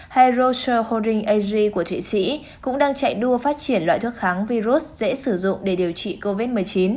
hay rose holding asg của thụy sĩ cũng đang chạy đua phát triển loại thuốc kháng virus dễ sử dụng để điều trị covid một mươi chín